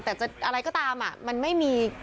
แต่จะอะไรก็ตามมันไม่มี